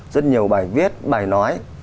rất nhiều bài viết bài nói